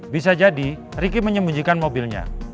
bisa jadi riki menyembunyikan mobilnya